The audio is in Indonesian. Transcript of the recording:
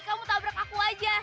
kamu tabrak aku aja